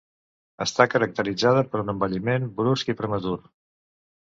Està caracteritzada per un envelliment brusc i prematur.